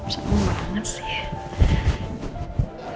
sama banget sih